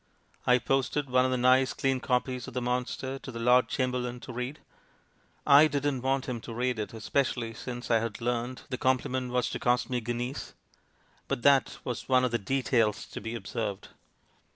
I posted one of the nice, clean copies of the mon ster to the Lord Chamberlain to read. I didn't want him to read it — especially since I had learnt the compliment was to cost me guineas — but that was one of the 'details to be observed.'